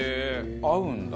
合うんだ。